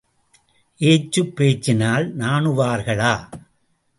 ஏச்சுப் பேச்சினால் நாணுவார்களா?